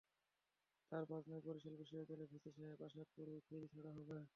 তারা জানায়, বরিশাল বিশ্ববিদ্যালয়ের ভিসি সাহেব আসার পরই ফেরি ছাড়া হবে।